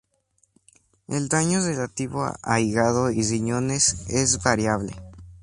El daño relativo a hígado y riñones es variable.